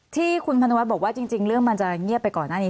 ที่คุณพนุวัฒน์บอกว่าจริงเรื่องมันจะเงียบไปก่อนหน้านี้